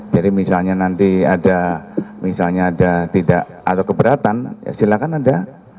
jadi misalnya nanti ada misalnya ada tidak ada keberatan silakan ada